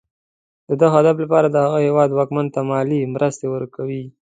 د دغه هدف لپاره د هغه هېواد واکمن ته مالي مرستې ورکوي.